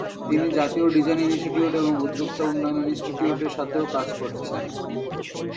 তিনি জাতীয় design institute এবং উদ্যোক্তা উন্নয়ন ইনস্টিটিউটের সাথেও কাজ করেছেন।